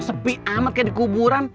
sepi amat kayak dikuburan